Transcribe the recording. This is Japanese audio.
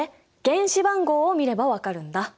原子番号を見れば分かるんだ。